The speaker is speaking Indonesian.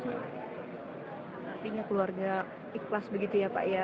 artinya keluarga ikhlas begitu ya pak ya